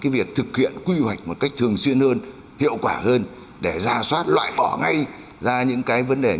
việc thực hiện quy hoạch một cách thường xuyên hơn hiệu quả hơn để ra soát loại bỏ ngay ra những vấn đề